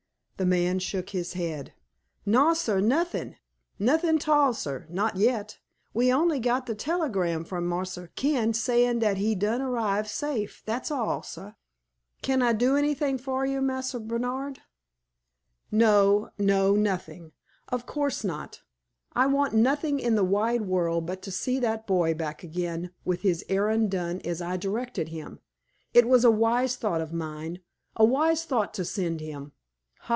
The man shook his head. "No, sah; nothing nothing 'tall, sah not yet. We only got de tellygram from Marse Ken sayin' dat he done arrive safe dat's all, sah. Kin I do anything for you, Marse Bernard?" "No no; nothing. Of course not. I want nothing in the wide world but to see that boy back again, with his errand done as I directed him. It was a wise thought of mine a wise thought to send him. Ha!